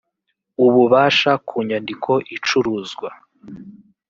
ububasha ku nyandiko icuruzwa